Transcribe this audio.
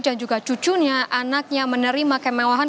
perjalanan kembali pada akhir perjalanan